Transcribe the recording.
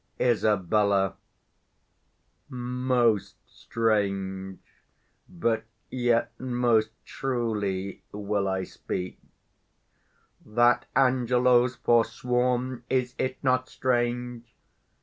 Isab. Most strange, but yet most truly, will I speak: That Angelo's forsworn; is it not strange?